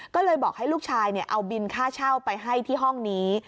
ก็เลยบอกให้ลูกชายเอาบินค่าเช่าไปให้ที่ห้องนี้